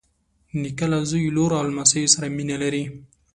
نیکه له زوی، لور او لمسیو سره مینه لري.